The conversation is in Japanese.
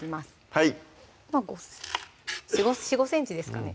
はい４５ｃｍですかね